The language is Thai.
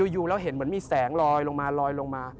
อยู่แล้วเห็นเหมือนมีแสงลอยลงมา